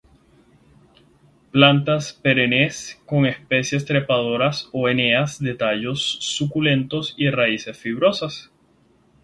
Plantas perennes con especies trepadoras o enanas de tallos suculentos y raíces fibrosas.